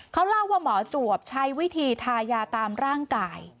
เขาเล่าว่าหมอจวบใช้วิธีทายาตามร่างกาย